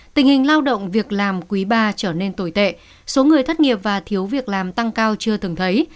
tình hình lao động việc làm quý ba trở nên tồi tệ số người thất nghiệp và thiếu việc làm tăng cao chưa từng thấy